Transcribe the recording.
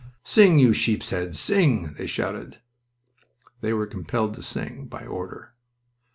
"Sing, you sheeps' heads, sing!" they shouted. They were compelled to sing, by order.